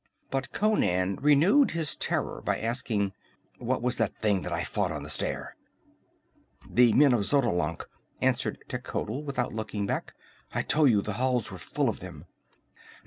But Conan renewed his terror by asking: "What was that thing that I fought on the stair?" "The men of Xotalanc," answered Techotl, without looking back. "I told you the halls were full of them."